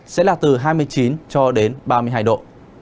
sẽ là từ hai mươi chín cho đến ba mươi hai độ